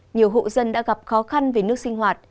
nhiều hộ dân đã gặp khó khăn về nước sinh hoạt